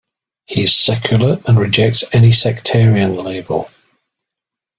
He is secular and rejects any sectarian label.